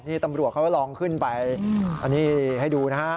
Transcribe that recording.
นี่ตำรวจเขาก็ลองขึ้นไปอันนี้ให้ดูนะฮะ